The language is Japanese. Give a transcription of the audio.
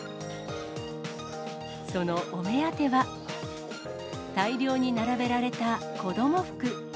そのお目当ては、大量に並べられた子ども服。